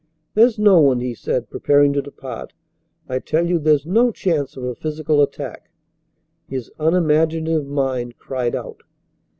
"There's no one," he said, preparing to depart. "I tell you there's no chance of a physical attack." His unimaginative mind cried out.